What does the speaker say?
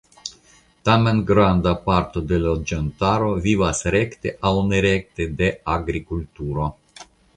Tamen granda parto de la loĝantaro vivas rekte aŭ nerekte de agrikulturo.